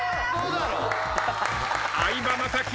相葉雅紀